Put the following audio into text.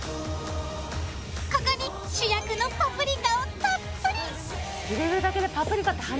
ここに主役のパプリカをたっぷり！